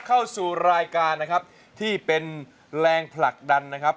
เข้าสู่รายการนะครับที่เป็นแรงผลักดันนะครับ